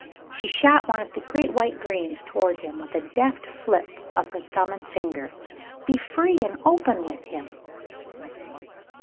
She shot one of the great white grains towards him with a deft flip of her thumb and finger. "Be free and open with him."